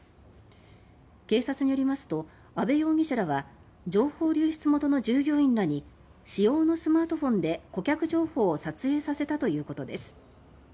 警察によりますと阿部容疑者らは情報流出元の従業員らに私用のスマートフォンで顧客情報を撮影させたということです。